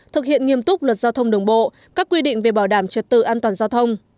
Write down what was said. thực hiện nghiêm túc luật giao thông đường bộ các quy định về bảo đảm trật tự an toàn giao thông